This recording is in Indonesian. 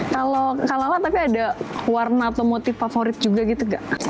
kalau nggak lala tapi ada warna atau motif favorit juga gitu gak